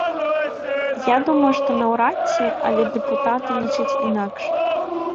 Я думаю, што наўрад ці, але дэпутаты лічаць інакш.